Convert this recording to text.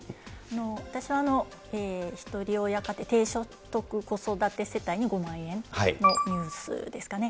私はひとり親家庭、低所得子育て世帯に５万円のニュースですかね。